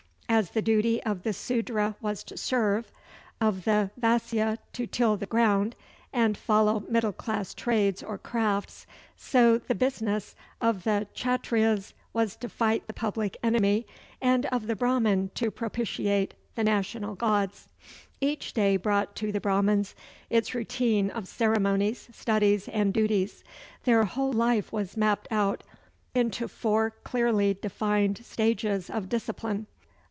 As the duty of the Sudra was to serve, of the Vaisya to till the ground and follow middle class trades or crafts; so the business of the Kchatryas was to fight the public enemy, and of the Brahman to propitiate the national gods. Each day brought to the Brahmans its routine of ceremonies, studies, and duties. Their whole life was mapped out into four clearly defined stages of discipline.